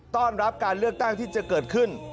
ต้อนรับการเลือกตั้งที่จะเกิดขึ้น